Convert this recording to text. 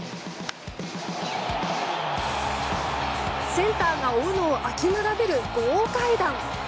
センターが追うのを諦める豪快弾。